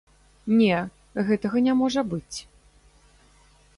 Не, гэтага не можа быць.